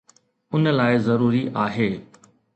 ان لاءِ ضروري آهي